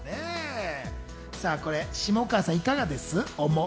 下川さん、いかがですか。